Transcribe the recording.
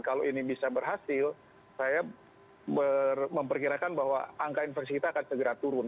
kalau ini bisa berhasil saya memperkirakan bahwa angka infeksi kita akan segera turun